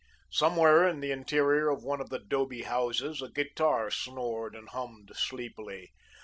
Somewhere in the interior of one of the 'dobe houses a guitar snored and hummed sleepily.